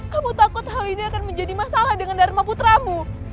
kamu takut hal ini akan menjadi masalah dengan dharma putramu